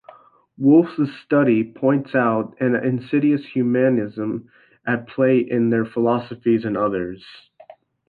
Wolfe's study points out an insidious humanism at play in their philosophies and others.